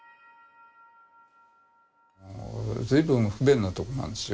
随分不便なとこなんですよ。